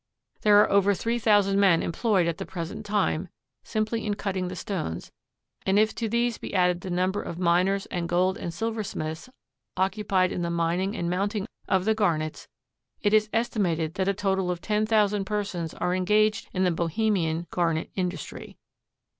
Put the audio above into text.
There are over three thousand men employed at the present time simply in cutting the stones, and if to these be added the number of miners and gold and silver smiths occupied in the mining and mounting of the garnets, it is estimated that a total of 10,000 persons are engaged in the Bohemian garnet industry.